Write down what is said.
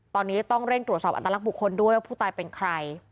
ตอนนี้ต้องเร่งตรวจสอบอัตลักษณ์บุคคลด้วยว่าผู้ตายเป็นใคร